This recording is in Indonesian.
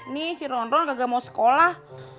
nih si ronron gak mau sekolah